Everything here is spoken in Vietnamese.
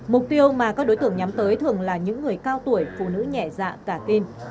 mục tiêu mà các đối tượng nhắm tới thường là những người cao tuổi phụ nữ nhẹ dạ cả tin